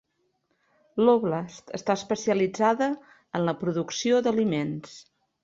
L'óblast està especialitzada en la producció d'aliments.